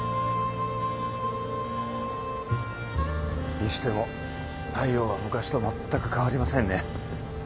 にしても大陽は昔とまったく変わりませんね。